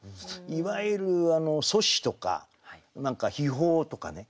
いわゆる祖師とか秘宝とかね。